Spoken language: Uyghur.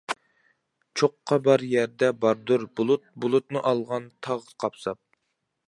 چوققا بار يەردە باردۇر بۇلۇت بۇلۇتنى ئالغان تاغ قاپساپ.